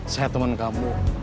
saya temen kamu